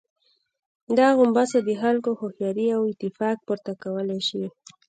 دا غومبسه د خلکو هوښياري او اتفاق، پورته کولای شي.